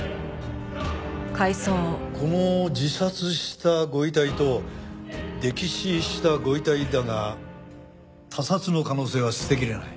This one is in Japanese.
この自殺したご遺体と溺死したご遺体だが他殺の可能性は捨てきれない。